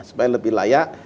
supaya lebih layak